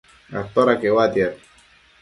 atoda queuatiad?